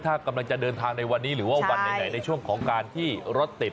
ถ้ากำลังจะเดินทางในวันนี้หรือว่าวันไหนในช่วงของการที่รถติด